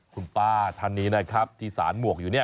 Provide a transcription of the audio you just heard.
คุณป้าท่านนี้นะครับที่สารหมวกอยู่เนี่ย